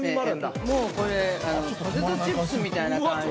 これポテトチップスみたいな感じ。